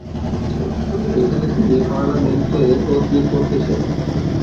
এখানে তিনি পার্লামেন্টে তদবির করতে শেখেন।